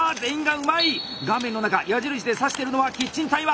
画面の中矢印で指してるのはキッチンタイマー！